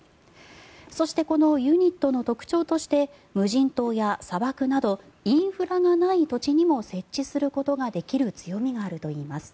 そしてこのユニットの特徴として無人島や砂漠などインフラがない土地にも設置することができる強みがあるといいます。